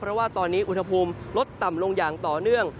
เพราะว่าตอนนี้อุณหภูมิลดต่ำลงอย่างต่อเนื่อง